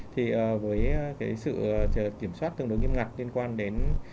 thì với cái sự kiểm soát tương đối nghiêm ngặt liên quan đến